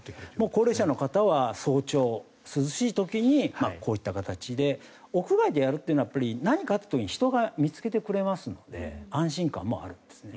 高齢者の方は早朝涼しい時にこういった形で屋外でやるというのは何かあった時に人が見つけてくれますので安心感もあるんですね。